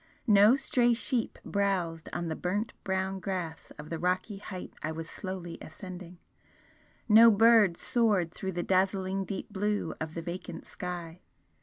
No stray sheep browsed on the burnt brown grass of the rocky height I was slowly ascending no bird soared through the dazzling deep blue of the vacant sky.